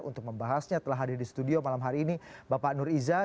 untuk membahasnya telah hadir di studio malam hari ini bapak nur iza